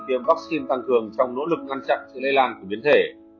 tiêm vaccine tăng cường trong nỗ lực ngăn chặn sự lây lan của biến thể